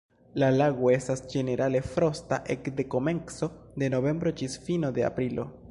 La lago estas ĝenerale frosta ekde komenco de novembro ĝis fino de aprilo.